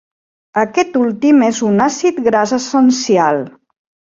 Aquest últim és un àcid gras essencial.